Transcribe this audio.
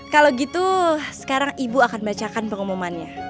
kalau gitu sekarang ibu akan bacakan pengumumannya